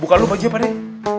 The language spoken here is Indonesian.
buka lu baju ya padaya